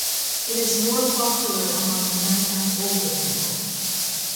It is more popular among men and older people.